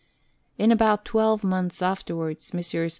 In about twelve months afterwards Messrs.